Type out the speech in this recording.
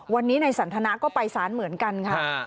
วันนี้ในสันทนาก็ไปสารเหมือนกันค่ะ